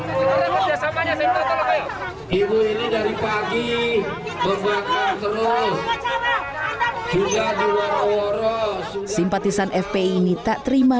ibu ini dari pagi berbakat terus juga di warung warung simpatisan fpi ini tak terima